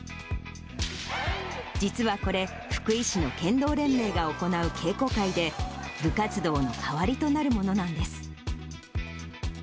実はこれ、福井市の剣道連盟が行う稽古会で、部活動の代わりとなるものなんです。